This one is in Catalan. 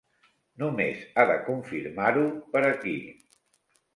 Només ha de confirmar-ho per aquí.